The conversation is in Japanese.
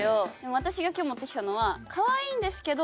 私が今日持ってきたのはカワイイんですけど。